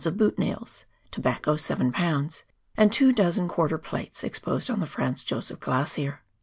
of boot nails, tobacco 7 lbs., and two dozen quarter plates exposed on the Franz Josef Glacier.